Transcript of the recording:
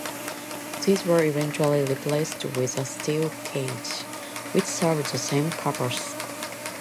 These were eventually replaced with a steel cage, which served the same purpose.